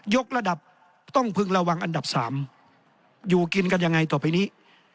กระดับต้องพึงระวังอันดับ๓อยู่กินกันยังไงต่อไปนี้